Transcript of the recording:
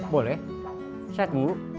boleh saya tunggu